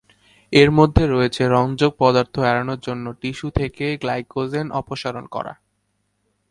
এর মধ্যে রয়েছে রঞ্জক পদার্থ এড়ানোর জন্য টিস্যু থেকে গ্লাইকোজেন অপসারণ করা।